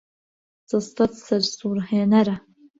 جەستەت سەرسوڕهێنەرە.